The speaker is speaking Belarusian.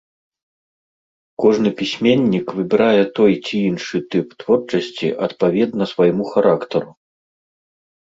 Кожны пісьменнік выбірае той ці іншы тып творчасці адпаведна свайму характару.